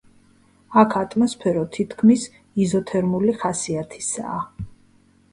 აქ ატმოსფერო თითქმის იზოთერმული ხასიათისაა.